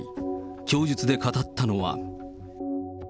供述で語ったのは。